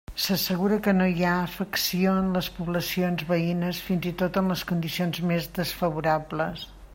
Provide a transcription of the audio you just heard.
S'assegura que no hi ha afecció en les poblacions veïnes fins i tot en les condicions més desfavorables.